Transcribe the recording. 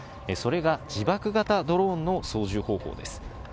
それが、自爆型ドローンの操縦方法です。